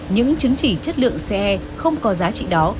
những chứng chỉ chất lượng ce không có giá trị đó